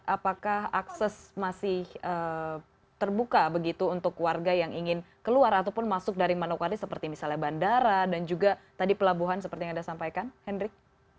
apakah akses masih terbuka begitu untuk warga yang ingin keluar ataupun masuk dari manokwari seperti misalnya bandara dan juga tadi pelabuhan seperti yang anda sampaikan hendrik